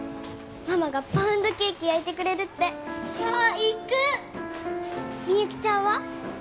ママがパウンドケーキ焼いてくれるってあっ行くみゆきちゃんは？